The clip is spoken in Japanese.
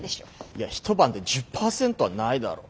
いや一晩で１０％はないだろ。